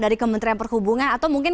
dari kementerian perhubungan atau mungkin